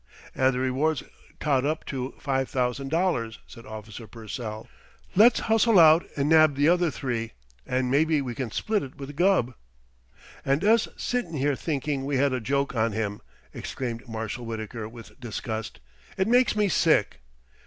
"An' the rewards tot up to five thousand dollars," said Officer Purcell. "Let's hustle out an' nab the other three, an' maybe we can split it with Gubb." "And us sitting here thinking we had a joke on him!" exclaimed Marshal Wittaker with disgust. "It makes me sick!"